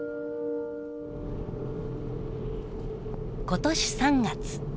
今年３月。